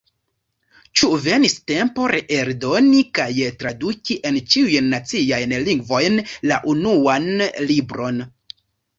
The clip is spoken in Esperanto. Ĉu venis tempo reeldoni kaj traduki en ĉiujn naciajn lingvojn la Unuan Libron?